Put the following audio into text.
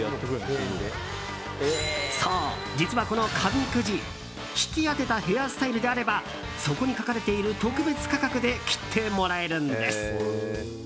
そう、実はこの髪くじ引き当てたヘアスタイルであればそこに書かれている特別価格で切ってもらえるんです。